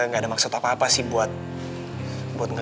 jadi apa dong